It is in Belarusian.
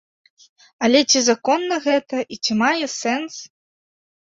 Але ці законна гэта і ці мае сэнс?